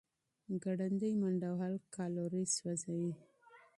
ګړندۍ منډه وهل کالوري سوځوي.